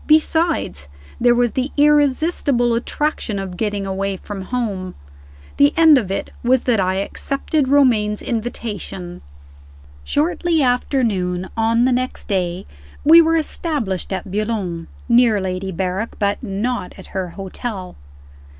Besides, there was the irresistible attraction of getting away from home. The end of it was that I accepted Romayne's invitation. II. SHORTLY after noon, on the next day, we were established at Boulogne near Lady Berrick, but not at her hotel.